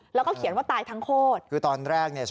แล้วก็เขียนว่าตายทั้งโคตร